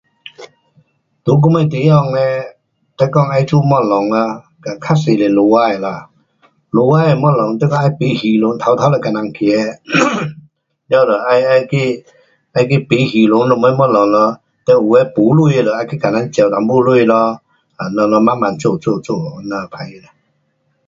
在我么地方嘞你讲要做东西，跟较多是海外的啦,海外的东西你讲要买鱼船头头就给人提，了就要要去，要去买鱼船什么东西咯。Then 有的没钱的要去跟人借一点钱咯。了就慢慢做做做这样起。